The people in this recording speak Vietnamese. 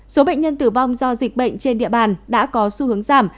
số bệnh nhân tử vong do dịch bệnh trên địa bàn đã có xu hướng giảm